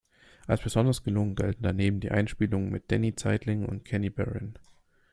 Als besonders gelungen gelten daneben die Einspielungen mit Denny Zeitlin und Kenny Barron.